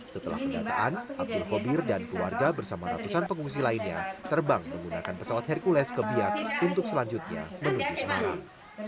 setelah pendataan abdul khobir dan keluarga bersama ratusan pengungsi lainnya terbang menggunakan pesawat hercules ke biak untuk selanjutnya menuju semarang